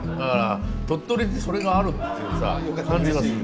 鳥取ってそれがあるっていうさ感じがする。